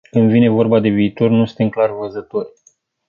Când vine vorba de viitor, nu suntem clarvăzători.